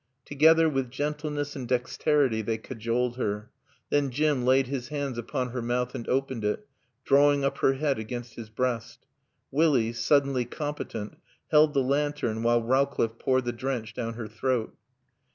Together, with gentleness and dexterity they cajoled her. Then Jim laid his hands upon her mouth and opened it, drawing up her head against his breast. Willie, suddenly competent, held the lantern while Rowcliffe poured the drench down her throat.